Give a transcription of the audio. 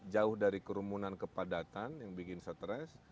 jauh dari kerumunan kepadatan yang bikin stres